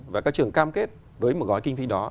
và các trường cam kết với một gói kinh phí đó